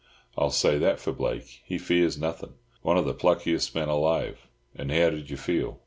"I'll say that for Blake, he fears nothing. One of the pluckiest men alive. And how did you feel?